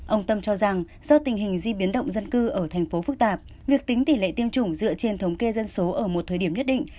ông tâm cho rằng do tình hình di biến động dân cư ở thành phố phức tạp việc tính tỷ lệ tiêm chủng dựa trên thống kê dân số ở một thời điểm nhất định